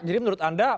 jadi menurut anda